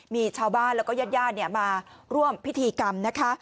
มีชาวบ้านแล้วก็ญาติญาติมาร่วมพิธีกรรมนะคะ